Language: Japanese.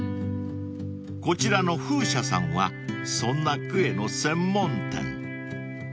［こちらの風車さんはそんなクエの専門店］